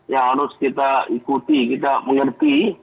yang harus kita ikuti kita mengerti